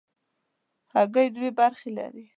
هګۍ دوه برخې لري.